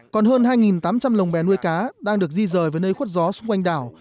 còn hơn hai tám trăm linh lồng bè nuôi cá đang được di rời với nơi khuất gió xung quanh đảo